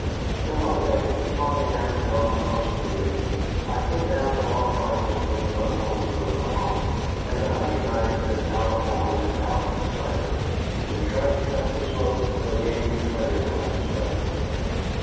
So one day, when Polly Ann was gone across the ridge, I took down the long rifle from the buckhorns over the hearth, and the hunting knife and powder horn and pouch beside it, and trudged up the slope to a game trail I discovered.